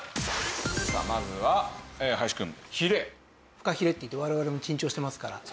フカヒレっていって我々も珍重してますから。